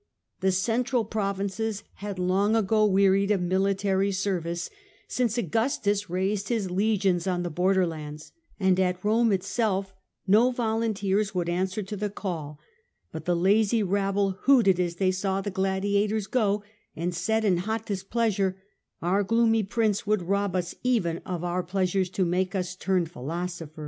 The central provinces had long ago wearied of military service, since Augustus raised his legions on the border lands, and at Rome itself no volunteers would answer to the call ; but the lazy rabble hooted as they saw the gladiators go, and said in hot displeasure, 'Our gloomy prince would rob us even of our pleasures to make us turn philosophers.